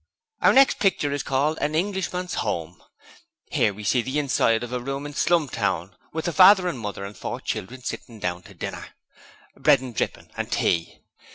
'Our next picture is called "An Englishman's Home". 'Ere we see the inside of another room in Slumtown, with the father and mother and four children sitting down to dinner bread and drippin' and tea.